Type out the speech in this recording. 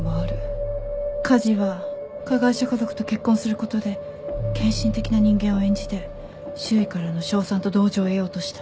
梶は加害者家族と結婚することで献身的な人間を演じて周囲からの称賛と同情を得ようとした。